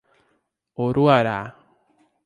Uruará